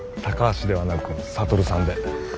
「高橋」ではなく「羽さん」で。